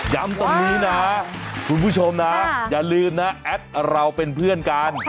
ตรงนี้นะคุณผู้ชมนะอย่าลืมนะแอดเราเป็นเพื่อนกัน